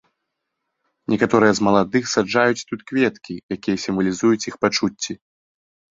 Некаторыя з маладых саджаюць тут кветкі, якія сімвалізуюць іх пачуцці.